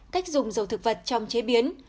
cách dùng dầu thực vật trong chế biến